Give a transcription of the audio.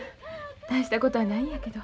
大したことはないんやけど。